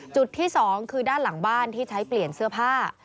จุดที่๒คือด้านหลังบ้านที่ใช้เปลี่ยนเสื้อผ้า